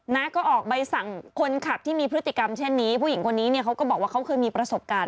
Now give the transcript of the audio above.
นะก็ออกใบสั่งคนขับที่มีพฤติกรรมเช่นนี้ผู้หญิงคนนี้เนี่ยเขาก็บอกว่าเขาเคยมีประสบการณ์